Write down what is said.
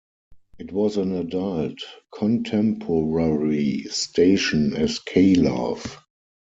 It was an adult contemporary station as K-Love.